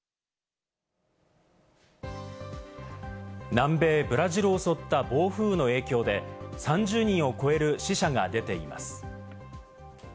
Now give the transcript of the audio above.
南米ブラジルを襲った暴風雨の影響で３０人を超える死者が出ています。